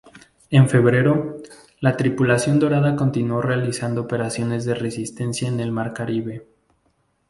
En febrero, la tripulación dorada continuó realizando operaciones de resistencia en el mar Caribe.